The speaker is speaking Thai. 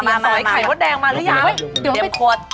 มาไข่มดแดงมาหรือยังเตรียมขวด